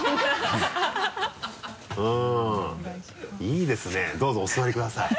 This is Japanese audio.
いいですねどうぞお座りください。